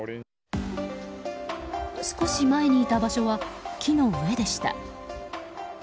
少し前にいた場所は木の上でした。